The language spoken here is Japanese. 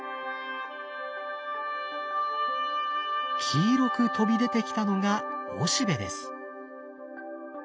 黄色く飛び出てきたのがおしべです。